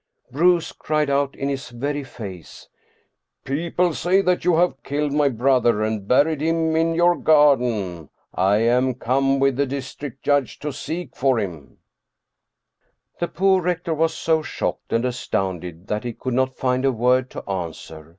Bruus cried out in his very face, " People say that you have killed my brother and buried him in your garden. I am come with the district judge to seek for him." 287 Scandinavian Mystery Stories The poor rector was so shocked and astounded that he could not find a word to answer.